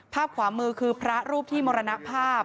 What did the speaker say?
ขวามือคือพระรูปที่มรณภาพ